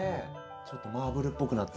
ちょっとマーブルっぽくなってて。